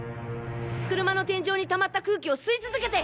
車の天井に溜まった空気を吸い続けて！